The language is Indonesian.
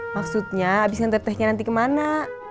maksudnya abis nganterin teki nanti kemana